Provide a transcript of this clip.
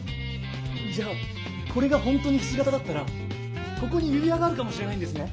じゃあこれがほんとにひし形だったらここに指輪があるかもしれないんですね？